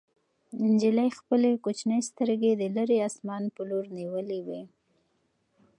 نجلۍ خپلې کوچنۍ سترګې د لیرې اسمان په لور نیولې وې.